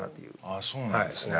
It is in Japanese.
ああそうなんですね。